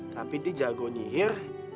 tapi dia jago nyihir